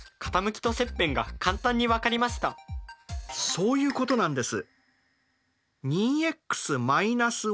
そういうことなんです。